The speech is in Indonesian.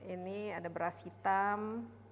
ini ada beras hitam